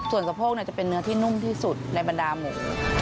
ส่วนสะโพกจะเป็นเนื้อที่นุ่มที่สุดในบรรดาหมู